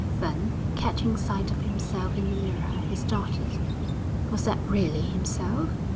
Then, catching sight of himself in the mirror, he started. Was that really himself?